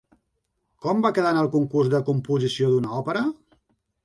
Com va quedar en el concurs de composició d'una òpera?